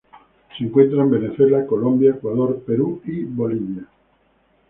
Se encuentra en Venezuela, Colombia, Ecuador, Perú y Bolivia.